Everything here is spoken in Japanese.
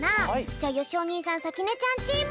じゃあよしお兄さんさきねちゃんチーム。